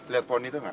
lihat poni itu enggak